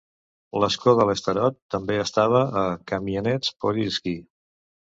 L'escó del starost també estava a Kàmianets-Podilski.